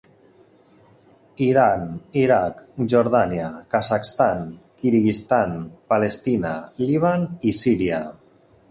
Iran, Iraq, Jordània, Kazakhstan, Kirguizistan, Palestina, Líban i Síria.